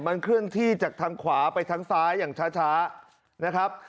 มันเคลื่อนที่จากทางขวาไปทางซ้ายอย่างช้านะครับ